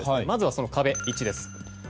まずは、その壁１です。